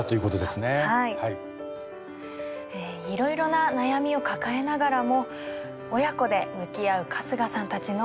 いろいろな悩みを抱えながらも親子で向き合う春日さんたちの子育て。